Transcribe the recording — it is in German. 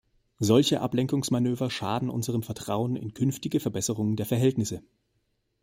Solche Ablenkungsmanöver schaden unserem Vertrauen in künftige Verbesserungen der Verhältnisse.